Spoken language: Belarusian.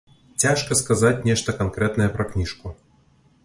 Цяжка сказаць нешта канкрэтнае пра кніжку.